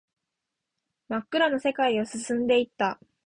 真っ暗な世界を進んでいった